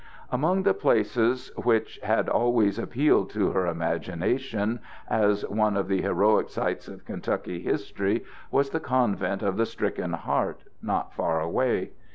Among the places which had always appealed to her imagination as one of the heroic sites of Kentucky history was the Convent of the Stricken Heart, not far away.